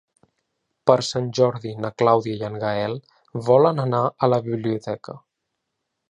Per Sant Jordi na Clàudia i en Gaël volen anar a la biblioteca.